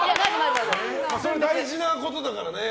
それ、大事なことだからね。